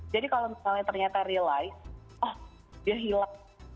jadi kalau misalnya ternyata realize oh dia hilang